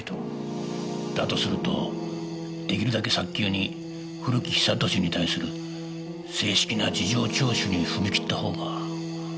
だとすると出来るだけ早急に古木久俊に対する正式な事情聴取に踏み切った方が。